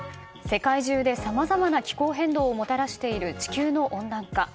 世界中でさまざまな気候変動をもたらしている地球の温暖化。